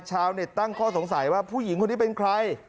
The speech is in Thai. ชาวเน็ตตั้งข้อสงสัยว่าผู้หญิงคนนี้เป็นใคร